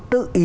tự ý dạy